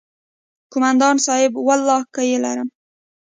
کومندان صايب ولله که يې لرم.